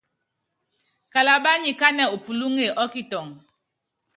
Kalabá nyi kánɛ u pulúŋe ɔ kitɔŋɔ.